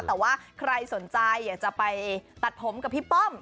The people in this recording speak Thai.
แต่ว่าใครสนใจอยากจะไปตัดผมกับพี่ป้อม